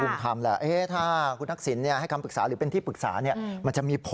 ว่าท่านปนเรียบร้อยไหม